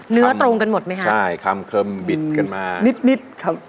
เนื้อตรงกันหมดไหมคะคำใช่คำเคิมบิดกันมานิดครับ